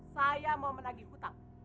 saya mau menagih hutang